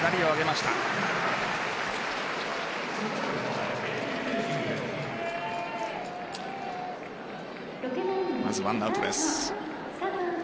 まず１アウトです。